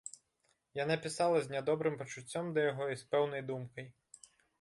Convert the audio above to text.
Яна пісала з нядобрым пачуццём да яго і з пэўнай думкай.